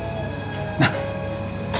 makanya papa minta sama vero kesini